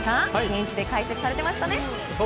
現地で解説されてましたね。